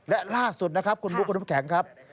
และล่าสุดนะครับคุณบุ๊คคุณน้ำแข็งครับ